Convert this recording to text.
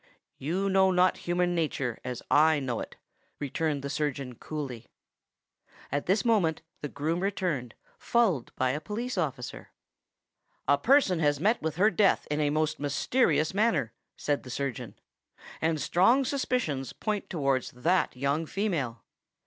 "You know not human nature as I know it," returned the surgeon coolly. At this moment the groom returned, followed by a police officer. "A person has met with her death in a most mysterious manner," said the surgeon; "and strong suspicions point towards that young female."